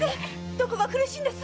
どこが苦しいんです